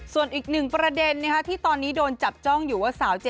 ส่วนอีก๑ประเด็นนะที่ตอนนี้โดนจับจ้องอยู่ว่าสาวเจนนี่